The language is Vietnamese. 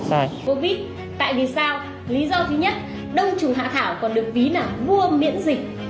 covid tại vì sao lý do thứ nhất đông chủ hạ thảo còn được ví là vua miễn dịch